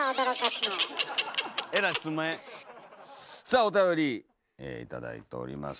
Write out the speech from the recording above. さあおたより頂いております。